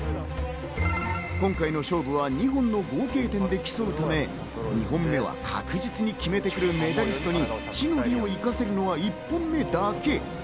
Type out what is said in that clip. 今回の勝負は２本の合計点で競うため、２本目は確実に決めてくるメダリストは地の利を生かせるのは１本目だけ。